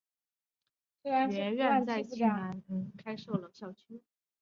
学院在庆和省金兰市也开设了校区。